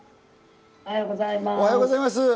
おはようございます。